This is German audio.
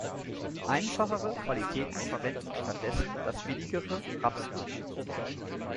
Einfachere Qualitäten verwenden stattdessen das billigere Rapsöl.